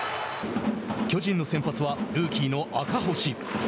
巨人の先発はルーキーの赤星。